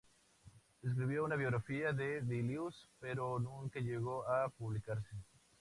Escribió una biografía de Delius, pero nunca llegó a publicarse.